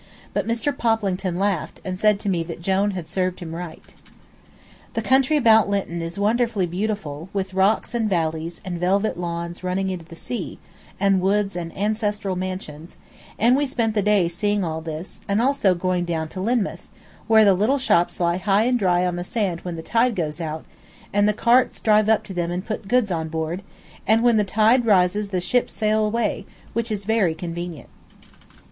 But Mr. Poplington laughed, and said to me that Jone had served him right. The country about Lynton is wonderfully beautiful, with rocks and valleys, and velvet lawns running into the sea, and woods and ancestral mansions, and we spent the day seeing all this, and also going down to Lynmouth, where the little ships lie high and dry on the sand when the tide goes out, and the carts drive up to them and put goods on board, and when the tide rises the ships sail away, which is very convenient.